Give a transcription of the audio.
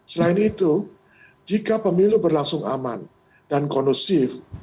selain itu jika pemilu berlangsung aman dan kondusif